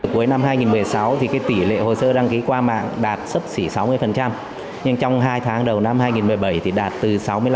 cuối năm hai nghìn một mươi sáu thì tỷ lệ hồ sơ đăng ký qua mạng đạt sấp xỉ sáu mươi nhưng trong hai tháng đầu năm hai nghìn một mươi bảy thì đạt từ sáu mươi năm